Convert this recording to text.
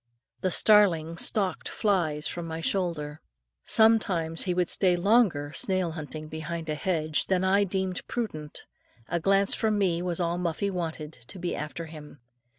The starling stalked flies from my shoulder. Sometimes he would stay longer snail hunting, behind a hedge, than I deemed prudent; a glance from me was all Muffie wanted, to be after him.